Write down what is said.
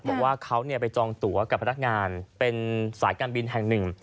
บอกว่าเขาไปจองตัวกับพนักงานเป็นสายการบินแห่งหนึ่ง